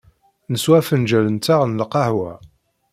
Neswa afenǧal-nteɣ n lqahwa.